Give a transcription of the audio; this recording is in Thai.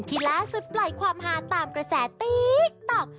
คือปล่อยความฮาตามกระแสติ๊กต๊อก